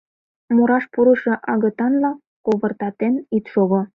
Мураш пурышо агытанла ковыртатен ит шого.